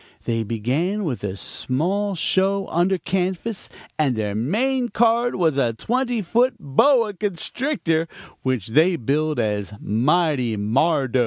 They began with a small show under canvas, and their main card was a twenty foot boa constrictor, which they billed as 'Mighty Mardo.'